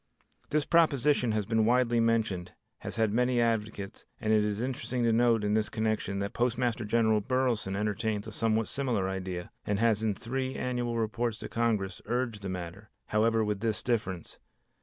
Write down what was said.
This proposition has been widely mentioned, has had many advocates, and it is interesting to note in this connection that Postmaster General Burleson entertains a somewhat similar idea, and has in three annual reports to Congress urged the matter, however, with this difference.